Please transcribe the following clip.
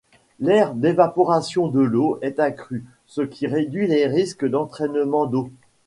L'aire d'évaporation de l'eau est accrue ce qui réduit les risques d'entraînement d'eau.